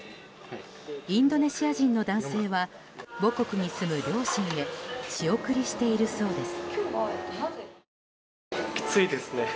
インドネシア人の男性は母国に住む両親へ仕送りしているそうです。